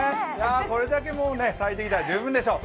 これだけ咲いてきたら十分でしょう。